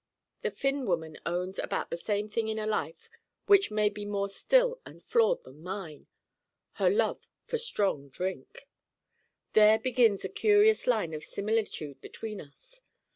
The Finn woman owns about the same thing in a life which may be more still and flawed than mine: her love for strong drink. There begins a curious line of similitude between us.